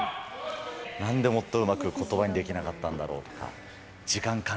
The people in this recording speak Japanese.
なんでもっとうまくことばにできなかったんだろうとか。